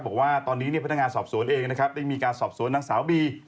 บอกว่าตอนนี้พนักงานสอบสวนเองนะครับได้มีการสอบสวนนางสาวบี